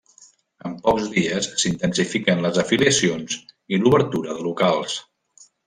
En pocs dies s'intensifiquen les afiliacions i l'obertura de locals.